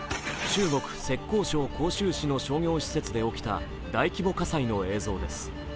中国・浙江省杭州市の商業施設で起きた大規模火災の映像です。